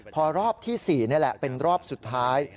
พอรอบที่๔นี่แหละเป็นรอบสุดท้าย